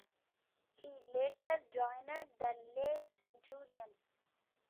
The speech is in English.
He later joined the Leigh Centurions.